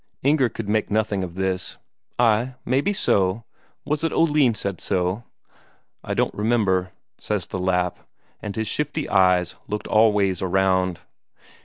Inger could make nothing of this. "Ay, maybe so. Was it Oline said so?" "I don't well remember," says the Lapp, and his shifty eyes looked all ways around.